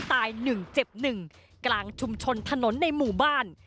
ตายหนึ่งเจ็บหนึ่งกลางชุมชนถนนในหมู่บ้าน